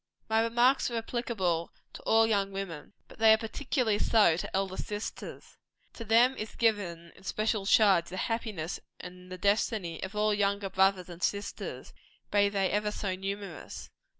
My remarks are applicable to all young women; but they are particularly so to elder sisters. To them is given in special charge, the happiness and the destiny of all younger brothers and sisters, be they ever so numerous.